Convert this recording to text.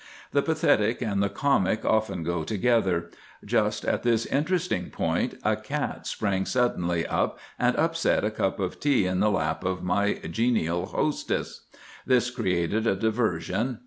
The pathetic and the comic often go together. Just at this interesting point a cat sprang suddenly up and upset a cup of tea in the lap of my genial hostess. This created a diversion.